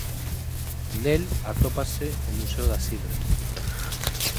Nel atópase o Museo da Sidra.